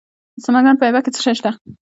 د سمنګان په ایبک کې څه شی شته؟